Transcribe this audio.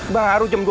baru jam dua belas